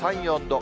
２３、４度。